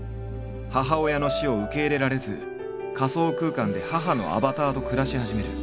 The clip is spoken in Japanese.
母親の死を受け入れられず仮想空間で母のアバターと暮らし始める。